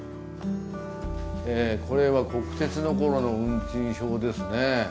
これは国鉄のころの運賃表ですね。